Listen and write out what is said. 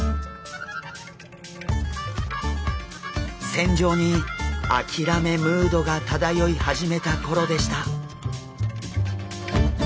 船上に諦めムードが漂い始めた頃でした。